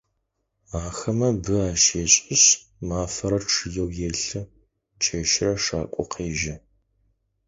Ахэмэ бы ащешӏышъ, мафэрэ чъыеу елъы, чэщырэ шакӏо къежьэ.